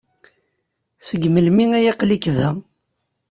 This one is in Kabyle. Seg melmi ay aql-ik da?